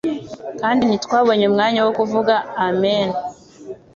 Kandi ntitwabonye umwanya wo kuvuga Amen